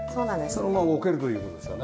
そのまま置けるという事ですよね。